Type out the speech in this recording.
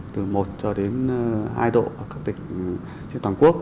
từ một cho đến hai độ ở các tỉnh trên toàn quốc